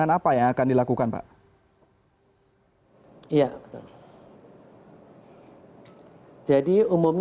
dan keempat adalah tanjung lesung